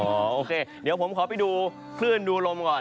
โอเคเดี๋ยวผมขอไปดูคลื่นดูลมก่อน